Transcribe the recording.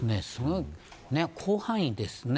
広範囲ですね。